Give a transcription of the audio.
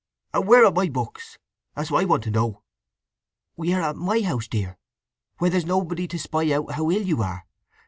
And where are my books? That's what I want to know?" "We are at my house, dear, where there's nobody to spy out how ill you are.